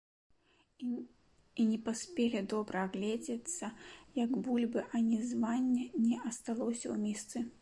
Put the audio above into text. І не паспелі добра агледзецца, як бульбы анізвання не асталося ў місцы.